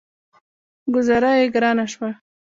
ګوذاره يې ګرانه شوه.